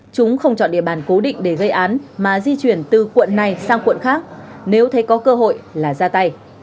chúng không chọn địa bàn cố định để gây án mà di chuyển từ quận này sang quận khác nếu thấy có cơ hội là ra tay